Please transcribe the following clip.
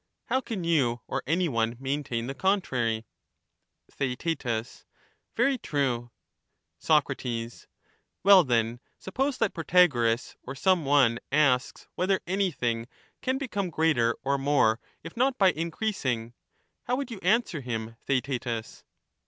How can you or any one maintain the contrary ? TheaeU Very true. Soc, Well, then, suppose that Protagoras or some one asks whether anything can become greater or more if not by increasing, how would you answer him, Theaetetus